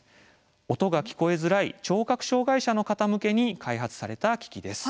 音が聞こえづらい聴覚障害者の方向けに開発された機器です。